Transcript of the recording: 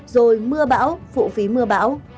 rồi mưa bão phụ phí mưa bão